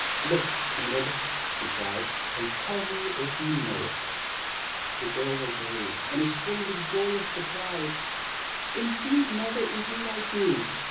"Look, Enid," she cried, "and tell me if you know it." The girl obeyed, and exclaimed in joyous surprise: "Indeed, Mother, indeed I do!